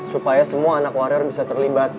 supaya semua anak warior bisa terlibat